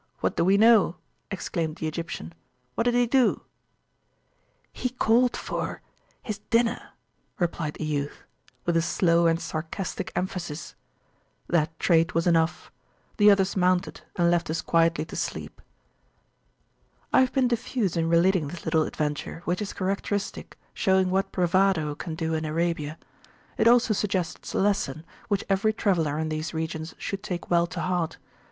what do we know! exclaimed the Egyptian, What did he do? He called forhis dinner, replied the youth, with a slow and [p.264] sarcastic emphasis. That trait was enough. The others mounted, and left us quietly to sleep. I have been diffuse in relating this little adventure, which is characteristic, showing what bravado can do in Arabia. It also suggests a lesson, which every traveller in these regions should take well to heart.